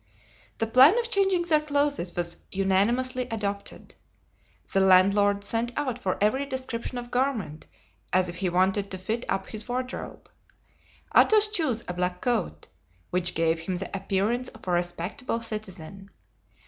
The plan of changing their clothes was unanimously adopted. The landlord sent out for every description of garment, as if he wanted to fit up his wardrobe. Athos chose a black coat, which gave him the appearance of a respectable citizen.